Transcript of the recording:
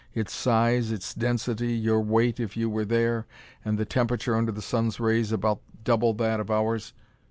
Its size, its density, your weight if you were there and the temperature under the sun's rays about double that of ours.